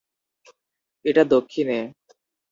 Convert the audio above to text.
এটা দক্ষিণে!